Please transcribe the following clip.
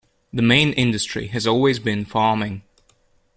The main industry has always been farming.